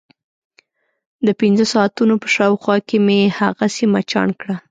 د پنځه ساعتونو په شاوخوا کې مې هغه سیمه چاڼ کړه.